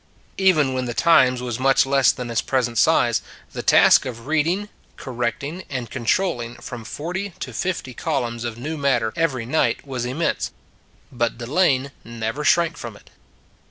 Even when the " Times " was much The Second Mile 41 less than its present size, the task of reading, cor recting, and controlling from forty to fifty col umns of new matter every night was immense. But Delane never shrank from it.